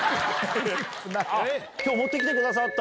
今日持ってきてくださった？